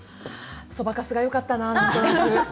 そばかすがよかったな。